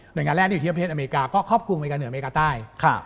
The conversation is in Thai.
โดยงานแรกที่อยู่ที่ประเทศอเมริกาก็ครอบคลุมอเมริกาเหนืออเมริกาใต้